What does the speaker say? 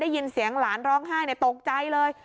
ได้ยินเสียงหลานร้องไห้ตกใจเลย